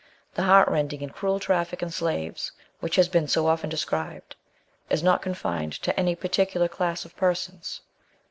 The heartrending and cruel traffic in slaves which has been so often described, is not confined to any particular class of persons.